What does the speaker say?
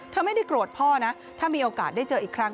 ไม่ได้โกรธพ่อนะถ้ามีโอกาสได้เจออีกครั้ง